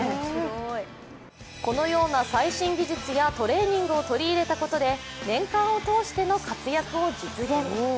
このような最新技術やトレーニングを取り入れたことで年間を通しての活躍を実現。